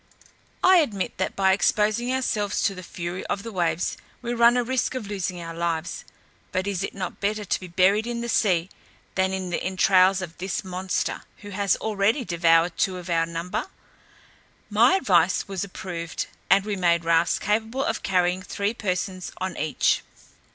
I admit that by exposing ourselves to the fury of the waves, we run a risk of losing our lives; but is it not better to be buried in the sea than in the entrails of this monster, who has already devoured two of our number?" My advice was approved, and we made rafts capable of carrying three persons on each.